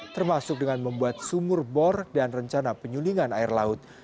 termasuk dengan membuat sumur bor dan rencana penyulingan air laut